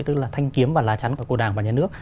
tức là thanh kiếm và lá chắn của đảng và nhà nước